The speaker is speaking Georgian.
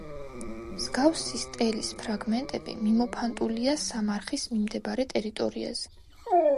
მსგავსი სტელის ფრაგმენტები მიმოფანტულია სამარხის მიმდებარე ტერიტორიაზე.